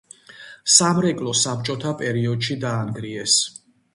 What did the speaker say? სამრეკლო საბჭოთა პერიოდში დაანგრიეს.